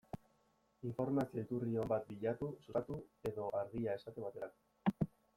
Informazio iturri on bat bilatu, Sustatu edo Argia esate baterako.